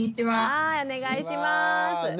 はいお願いします。